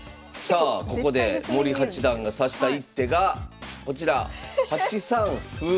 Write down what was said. さあここで森八段が指した一手がこちら８三歩。